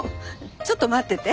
ちょっと待ってて。